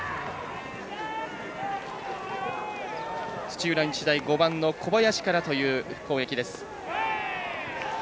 土浦日大、５番の小林からという攻撃です。